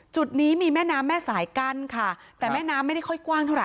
จุดนี้มีแม่น้ำแม่สายกั้นค่ะแต่แม่น้ำไม่ได้ค่อยกว้างเท่าไ